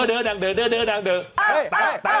เท่าทีเต้งกลับไม่จบไอ้